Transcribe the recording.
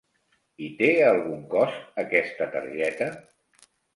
I té algun cost aquesta targeta?